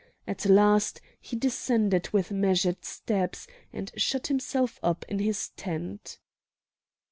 At last he descended with measured steps, and shut himself up in his tent.